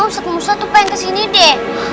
ustaz ustaz tuh pengen kesini deh